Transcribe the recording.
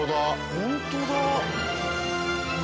本当だ！